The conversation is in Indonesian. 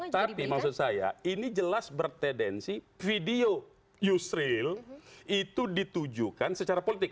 tapi maksud saya ini jelas bertedensi video yusril itu ditujukan secara politik